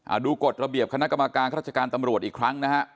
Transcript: ดูกฎระเบียบคณะกรรมการราชการตำรวจอีกครั้งนะฮะ